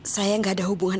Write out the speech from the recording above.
saya gak ada hubungan